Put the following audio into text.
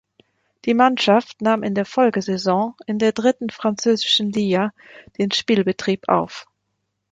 Die Mannschaft nahm in der Folgesaison in der dritten französischen Liga den Spielbetrieb auf.